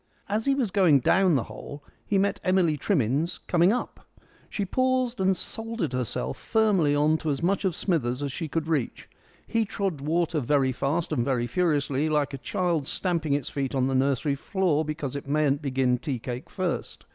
As he was going down the hole he met Emily Trimmins coming up. She paused and soldered herself firmly on to as much of Smithers as she could reach. He trod water very fast and very furiously, like a child stamping its feet on the nursery floor because it mayn't begin tea cake first.